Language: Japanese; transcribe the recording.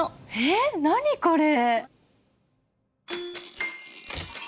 えっ何これ！？